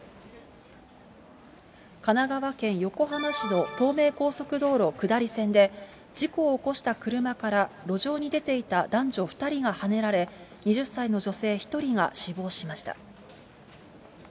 神奈川県横浜市の東名高速道路下り線で、事故を起こした車から路上に出ていた男女２人がはねられ、２０歳の女性１人が死亡しました。